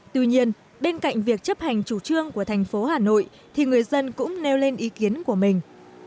tuy nhiên bên cạnh việc chấp hành chủ trương của thành phố hà nội thì người dân cũng nêu lên ý kiến của mình